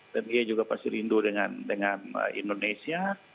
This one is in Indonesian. dan dia juga pasti rindu dengan indonesia